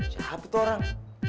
siapa tuh orang